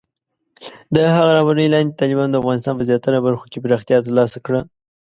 د هغه رهبرۍ لاندې، طالبانو د افغانستان په زیاتره برخو کې پراختیا ترلاسه کړه.